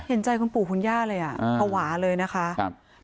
เห็นใจคุณปู่คุณย่าเลยอ่ะภาวะเลยนะคะ